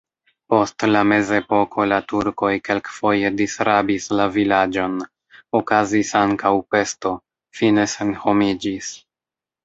Post la mezepoko la turkoj kelkfoje disrabis la vilaĝon, okazis ankaŭ pesto, fine senhomiĝis.